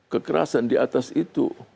kekerasan di atas itu